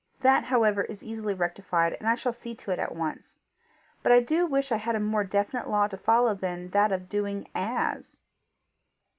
That however is easily rectified, and I shall see to it at once. But I do wish I had a more definite law to follow than that of doing AS!"